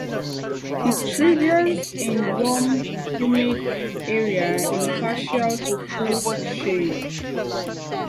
It thrives in warm, humid areas in partial to full shade.